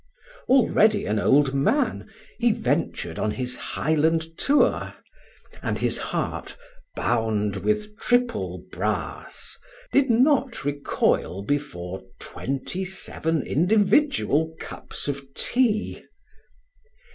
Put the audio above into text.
Already an old man, he ventured on his Highland tour; and his heart, bound with triple brass, did not recoil before twenty seven individual cups of tea.